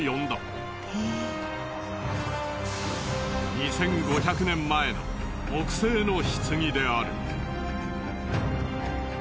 ２５００年前の木製の棺である。